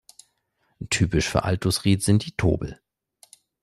Typisch für Altusried sind die Tobel.